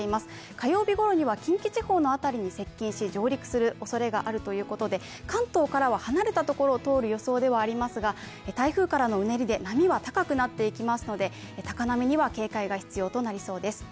火曜日ごろには近畿地方の辺りに接近し上陸するおそれがあるということで、関東からは離れたところを通る予想ではありますが、台風からのうねりで波は高くなっていきますので、高波には警戒が必要となりそうです。